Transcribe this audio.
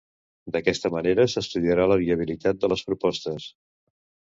D'aquesta manera, s'estudiarà la viabilitat de les propostes